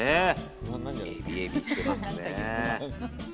エビエビしてますね。